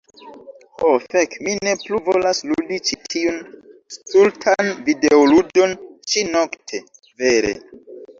Ho fek, mi ne plu volas ludi ĉi tiun stultan videoludon ĉi-nokte. Vere.